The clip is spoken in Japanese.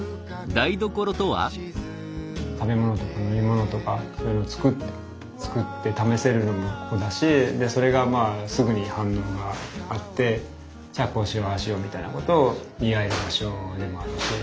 食べ物とか飲み物とかそういうのを作って試せるのもここだしでそれがまあすぐに反応があってじゃあこうしようああしようみたいなことを言い合える場所でもあるし。